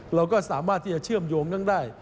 เราก็สามารถที่จะเชื่อมโยงทั้งได้